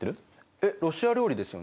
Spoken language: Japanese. えっロシア料理ですよね？